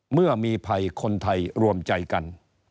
เมื่อมีภัยคนไทยรวมใจกัน